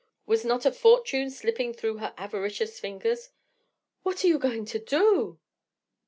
Was not a fortune slipping through her avaricious fingers? "What are you going to do?"